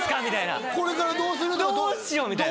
みたいなこれからどうするとかどーしよう！